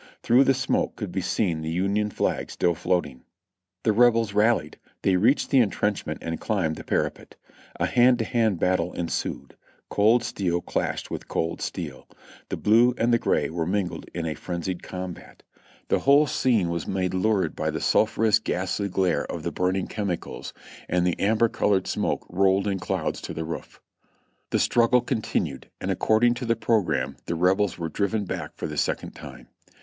Through the smoke could be seen the Union flag still floating. The Rebels rallied ; they reached the entrenchment and climbed the parapet. A hand to hand fight ensued ; cold steel clashed with cold steel ; the blue and the gray were mingled in a frenzied combat. The whole scene was made lurid by the sul 338 JOHNNY REB AND BILLY YANK phurous, ghastly glare of the burning chemicals, and the amber colored smoke rolled in clouds to the roof. The struggle continued, and according to the programme the Rebels were driven back for the second time.